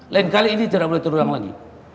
lain kali ini tidak boleh terulang lagi